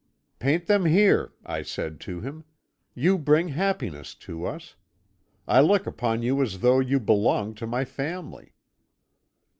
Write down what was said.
"'Paint them here,' I said to him, 'you bring happiness to us. I look upon you as though you belonged to my family.'